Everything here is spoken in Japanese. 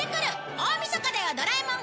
大みそかは『ドラえもん』！